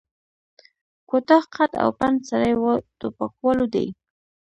کوتاه قد او پنډ سړی و، ټوپکوالو دی.